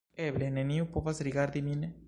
Eble, neniu povas rigardi min